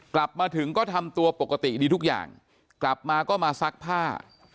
กลับมาถึงก็ทำตัวปกติดีทุกอย่างกลับมาก็มาซักผ้า